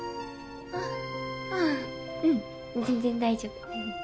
あうんうん全然大丈夫。